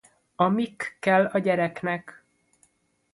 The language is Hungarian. A Mick kell a gyereknek!